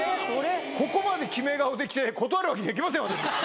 ここまで決め顔で来て、断るわけにはいきません、私。